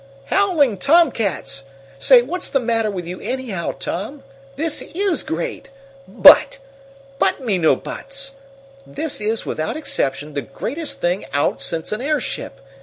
Howling tomcats! Say, what's the 'matter with you, anyhow, Tom? This is great! 'But!' 'But me no buts!' This is, without exception, the greatest thing out since an airship.